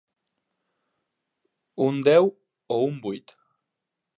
Un deu o un vuit.